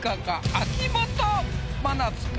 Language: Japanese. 秋元真夏か？